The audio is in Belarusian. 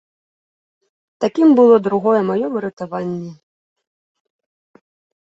Такім было другое маё выратаванне.